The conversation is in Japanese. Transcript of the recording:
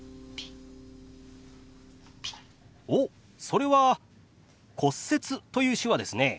おっそれは「骨折」という手話ですね。